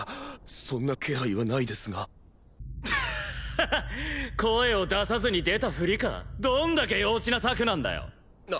そんな気配はないですがハハッ声を出さずに出たフリかどんだけ幼稚な策なんだよな